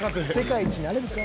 世界一なれるか？